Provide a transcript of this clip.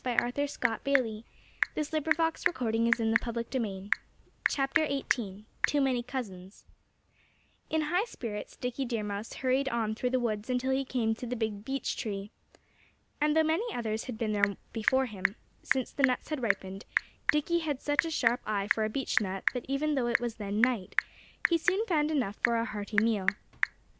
But Fatty Coon did not trouble himself to answer. XVIII TOO MANY COUSINS In high spirits Dickie Deer Mouse hurried on through the woods until he came to the big beech tree. And though many others had been there before him, since the nuts had ripened, Dickie had such a sharp eye for a beech nut that even though it was then night, he soon found enough for a hearty meal.